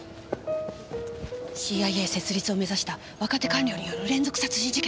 ＣＩＡ設立を目指した若手官僚による連続殺人事件。